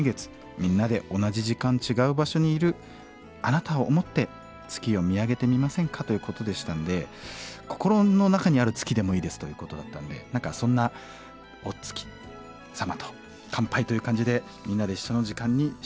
みんなで同じ時間違う場所にいるあなたを思って月を見上げてみませんかということでしたんで心の中にある月でもいいですということだったんで何かそんなお月様と乾杯という感じでみんなで一緒の時間にしたいと思います。